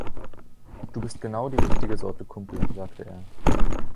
„ Du bist genau die richtige Sorte Kumpel“, sagte er.